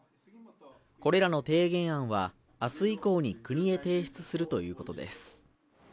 これらの提言案は、明日以降に国へ提出するということです。